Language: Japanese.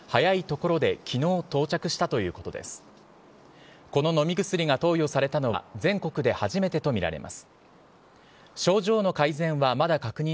この飲み薬が投与されたのは全国で初めてと見られます。